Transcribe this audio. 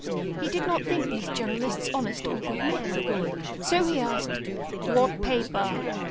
He did not think these journalists honest or good men. So he asked, "What paper?"